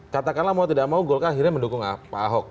katakanlah mau tidak mau golkar akhirnya mendukung pak ahok